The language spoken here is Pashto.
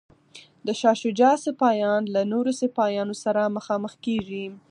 د شاه شجاع سپایان له نورو سپایانو سره مخامخ کیږي.